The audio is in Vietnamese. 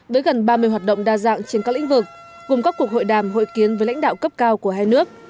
với gần ba mươi hoạt động đa dạng trên các lĩnh vực gồm các cuộc hội đàm hội kiến với lãnh đạo cấp cao của hai nước